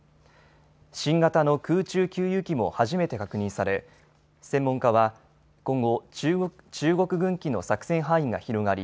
新型の空中給油機も初めて確認され専門家は今後、中国軍機の作戦範囲が広がり